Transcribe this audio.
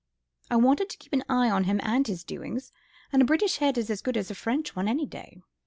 I wanted to keep an eye on him and his doings, and a British head is as good as a French one any day."